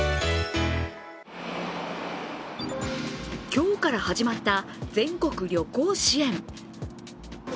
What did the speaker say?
今日から始まった全国旅行支援。